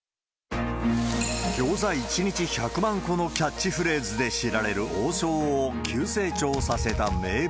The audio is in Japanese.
餃子１日１００万個のキャッチフレーズで知られる王将を急成